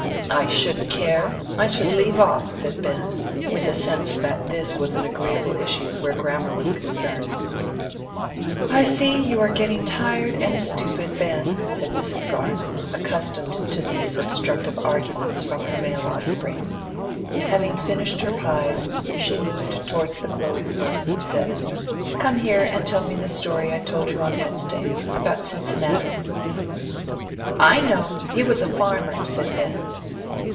"I shouldn't care, I should leave off," said Ben, with a sense that this was an agreeable issue where grammar was concerned. "I see you are getting tired and stupid, Ben," said Mrs. Garth, accustomed to these obstructive arguments from her male offspring. Having finished her pies, she moved towards the clothes horse, and said, "Come here and tell me the story I told you on Wednesday, about Cincinnatus." "I know! he was a farmer," said Ben.